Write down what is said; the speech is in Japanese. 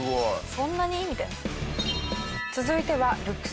そんなに？みたいな。